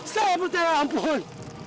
saya percaya ampul